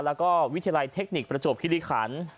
แล้วก็วิทยาลัยเทคนิคประจวบคิริขัน